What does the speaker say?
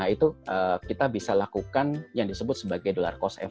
itu kita bisa lakukan yang disebut sebagai dolar cost